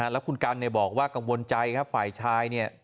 แล้วคุณกัลบอกว่ากังวลใจฝ่ายชาย